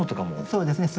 そうですね。